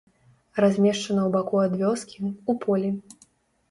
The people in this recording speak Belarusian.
Размешчана ў баку ад вёскі, у полі.